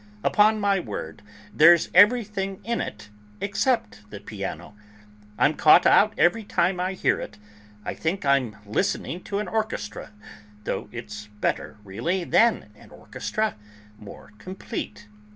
Upon my word, there's everything in it except the piano! I'm caught out every time I hear it; I think I'm listening to an orchestra. Though it's better, really, than an orchestra, more complete."